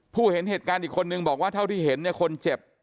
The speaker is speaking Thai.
เห็นเหตุการณ์อีกคนนึงบอกว่าเท่าที่เห็นเนี่ยคนเจ็บ